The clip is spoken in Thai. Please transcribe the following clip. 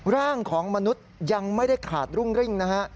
ร่างของมนุษย์ยังไม่ได้ขาดรุ่งริ่งนะฮะ